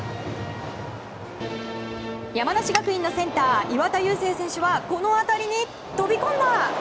山梨学院のセンター岩田悠聖選手はこの当たりに飛び込んだ！